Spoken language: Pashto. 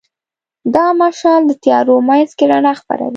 دا مشال د تیارو منځ کې رڼا خپروي.